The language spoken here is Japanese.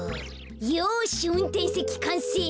よしうんてんせきかんせい。